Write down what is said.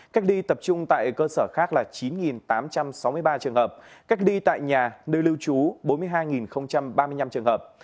cách ly tập trung tại cơ sở khác là chín tám trăm sáu mươi ba trường hợp cách ly tại nhà nơi lưu trú bốn mươi hai ba mươi năm trường hợp